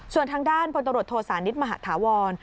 ส่วนทางด้านพลตำรวจโทษานิทมหาธาวร